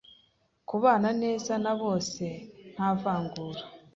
Kubana neza na bose nta vangura